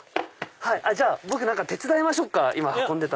じゃあ何か手伝いましょうか？